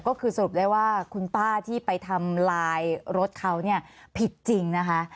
ก็คือสรุปได้ว่าคุณป้าที่ไปทำลายรถเขาเนี่ยผิดจริงนะคะ